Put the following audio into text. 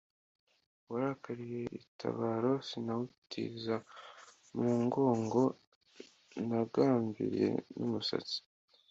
warakaliye itabaro, sinawutiza mu ngango nagambiliye n’umutasi